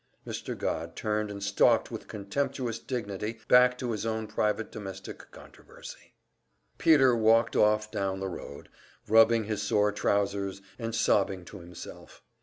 Mr. Godd turned and stalked with contemptuous dignity back to his own private domestic controversy. Peter walked off down the road, rubbing his sore trousers and sobbing to himself.